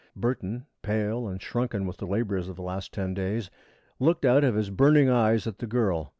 Burton, pale and shrunken with the labors of the last ten days, looked out of his burning eyes at the girl.